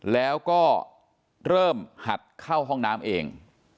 แล้วก็เริ่มหัดเข้าห้องน้ำเอง